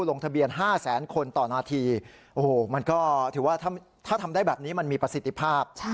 ลงทะเบียน๕แสนคนต่อนาทีโอ้โหมันก็ถือว่าถ้าทำได้แบบนี้มันมีประสิทธิภาพ